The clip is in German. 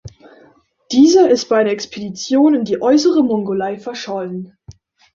Dieser ist bei einer Expedition in die Äußere Mongolei verschollen.